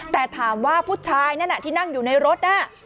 แต่ถามว่าผู้ชายนั่นที่นั่งอยู่ในรถน่ะ